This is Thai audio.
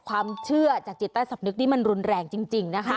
ความเชื่อจากจิตใต้สำนึกนี่มันรุนแรงจริงนะคะ